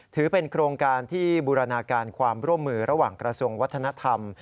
ถือเป็นโครงการที่บูรณาการความร่วมมือระหว่างกระทรวงวัฒนธรรม